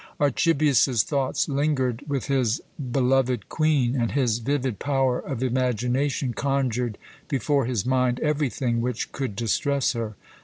Archibius's thoughts lingered with his beloved Queen, and his vivid power of imagination conjured before his mind everything which could distress her.